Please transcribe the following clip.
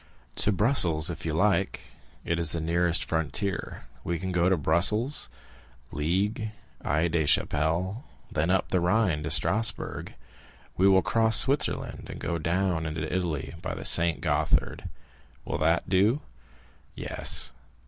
"To Brussels, if you like; it is the nearest frontier. We can go to Brussels, Liège, Aix la Chapelle; then up the Rhine to Strasbourg. We will cross Switzerland, and go down into Italy by the Saint Gothard. Will that do?" "Yes."